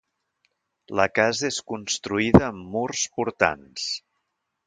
La casa és construïda amb murs portants.